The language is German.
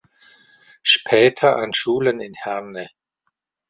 Später an Schulen in Herne.